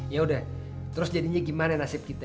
yaudah terus jadinya gimana nasib kita